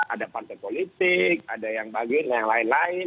ada partai politik ada yang lain lain